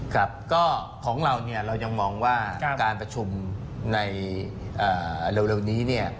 ครับก็ของเราเรายังมองว่าการประชุมในเร็วนี้เนี่ย